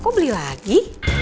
kok beli lagi